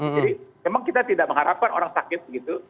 jadi memang kita tidak mengharapkan orang sakit begitu